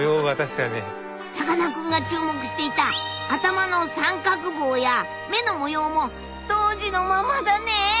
さかなクンが注目していた頭の三角帽や目の模様も当時のままだね！